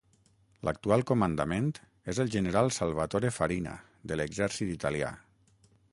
L'actual comandant és el general Salvatore Farina de l'exèrcit italià.